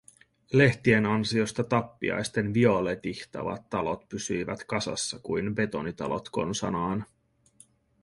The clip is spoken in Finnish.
Lehtien ansiosta tappiaisten violetihtavat talot pysyivät kasassa kuin betonitalot konsanaan.